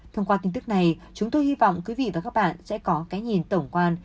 thông qua tin tức này chúng tôi hy vọng quý vị và các bạn sẽ có cái nhìn tổng quan